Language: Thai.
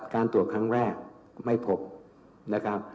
การตรวจครั้งแรกไม่พบ